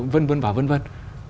vân vân và vân vân